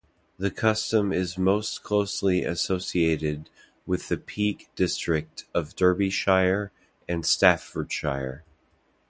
The custom is most closely associated with the Peak District of Derbyshire and Staffordshire.